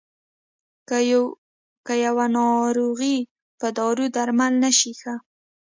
که يوه ناروغي په دارو درمل نه شي ښه.